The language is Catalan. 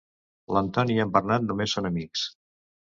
L'Antoni i en Bernat només són amics.